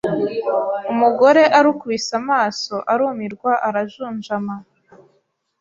Umugore arukubise amaso arumirwa arajunjama